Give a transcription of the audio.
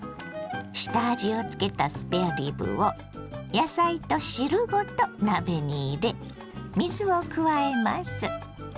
下味をつけたスペアリブを野菜と汁ごと鍋に入れ水を加えます。